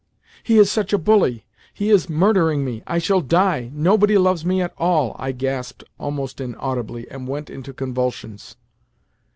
"He is such a bully! He is murdering me! I shall die! Nobody loves me at all!" I gasped almost inaudibly, and went into convulsions.